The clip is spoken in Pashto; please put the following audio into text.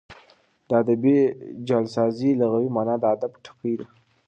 د ادبي جعلسازۍ لغوي مانا د ادب ټګي ده.